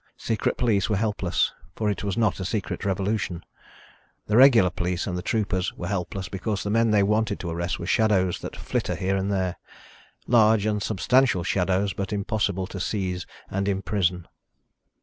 Secret police were helpless, for it was not a secret revolution. The regular police and the troopers were helpless because the men they wanted to arrest were shadows that flitter here and there ... large and substantial shadows, but impossible to seize and imprison.